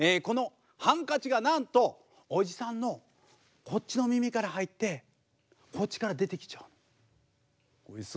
このハンカチがなんとおじさんのこっちの耳から入ってこっちから出てきちゃうの。